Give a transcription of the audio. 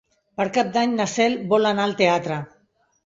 Per Cap d'Any na Cel vol anar al teatre.